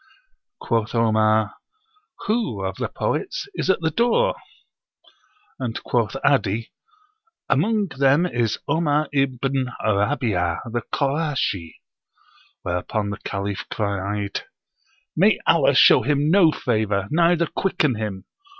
Quoth Omar, "Who [of the poets] is at the door?" And quoth 'Adi, "Among them is Omar ibn Rabí'ah, the Korashi;" whereupon the Caliph cried, "May Allah show him no favor, neither quicken him!